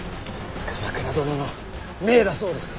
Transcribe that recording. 鎌倉殿の命だそうです。